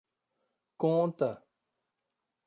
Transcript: Conta!